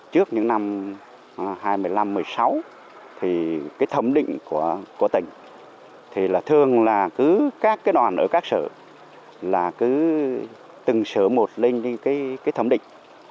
trước những năm hai nghìn một mươi năm hai nghìn một mươi sáu thì cái thẩm định của tỉnh thì thường là cứ các đoàn ở các sở là cứ từng sở một lên cái thẩm định